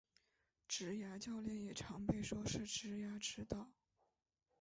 职涯教练也常被说是职涯指导。